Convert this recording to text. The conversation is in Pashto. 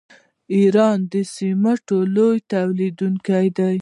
ایران د سمنټو لوی تولیدونکی دی.